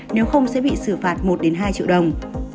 nếu không sẽ bị xử phạt một hai triệu đồng